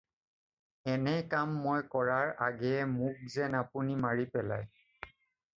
এনে কাম মই কৰাৰ আগেয়ে মােক যেন আপুনি মাৰি পেলায়।